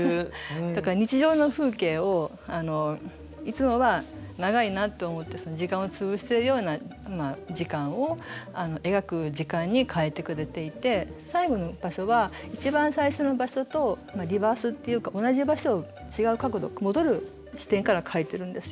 だから日常の風景をいつもは長いなって思って時間を潰しているような時間を描く時間に変えてくれていて最後の場所は一番最初の場所とリバースっていうか同じ場所を違う角度戻る視点から描いてるんですよ。